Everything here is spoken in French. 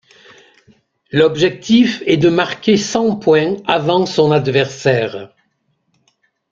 L'objectif est de marquer cent points avant son adversaire.